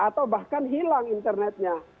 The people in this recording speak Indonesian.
atau bahkan hilang internetnya